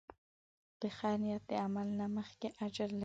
د خیر نیت د عمل نه مخکې اجر لري.